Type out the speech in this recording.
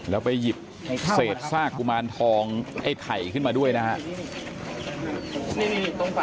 แล้วไปหยิบเศษซากกุมารทองไอ้ไข่ขึ้นมาด้วยนะครับ